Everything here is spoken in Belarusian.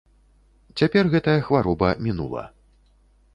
Цяпер гэтая хвароба мінула.